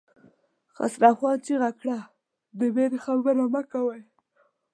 خسرو خان چيغه کړه! د وېرې خبرې مه کوئ!